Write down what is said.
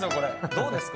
どうですか？